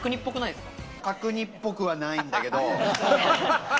角煮っぽくはないんだけど。